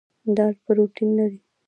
دال پروټین لري.